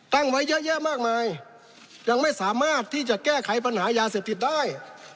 ตั้งไว้เยอะแยะมากมายยังไม่สามารถที่จะแก้ไขปัญหายาเสพติดได้